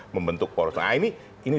membentuk poros nah ini